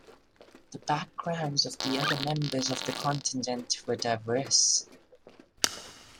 The backgrounds of the other members of the contingent were diverse.